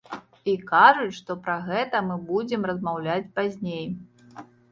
І кажуць, што пра гэта мы будзем размаўляць пазней.